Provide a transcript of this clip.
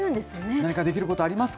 何かできることありますか？